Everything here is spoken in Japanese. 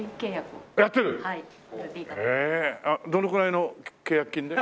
どのくらいの契約金で？